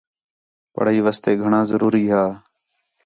پڑھائی واسطے گھݨاں ضروری ہا